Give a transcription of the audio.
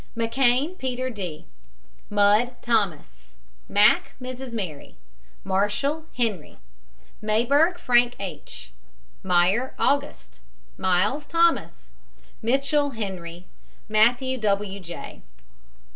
McKANE, PETER D. MUDD, THOMAS. MACK, MRS. MARY. MARSHALL, HENRY. MAYBERG, FRANK H. MEYER, AUGUST. MYLES, THOMAS. MITCHELL, HENRY. MATTHEWS, W. J.